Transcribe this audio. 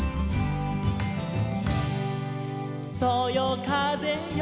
「そよかぜよ